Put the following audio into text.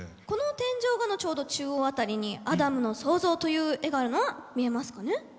この天井画のちょうど中央辺りに「アダムの創造」という絵があるのは見えますかね？